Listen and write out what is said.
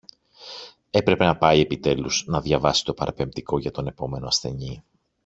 έπρεπε να πάει επιτέλους να διαβάσει το παραπεμπτικό για τον επόμενο ασθενή